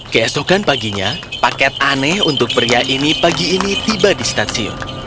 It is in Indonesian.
keesokan paginya paket aneh untuk pria ini pagi ini tiba di stasiun